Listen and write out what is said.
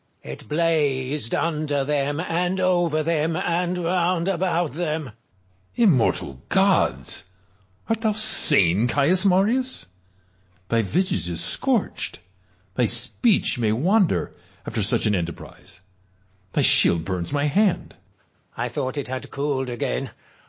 Marius. It blazed under them, and over them, and round about them. Metellus. Immortal gods ! Art thou sane, Caius Marius 1 Thy visage is scorched : thy speech may wander after such an enterprise ; thy shield burns my hand. Marius. I thought it had cooled again.